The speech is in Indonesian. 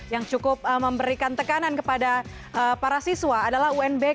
yang cukup memberikan tekanan kepada para siswa adalah unbk